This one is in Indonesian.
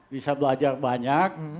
bisa belajar banyak